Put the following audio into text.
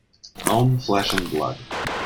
Own flesh and blood